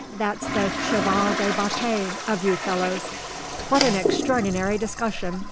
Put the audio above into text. That's the cheval de bataille of you fellows." "What an extraordinary discussion!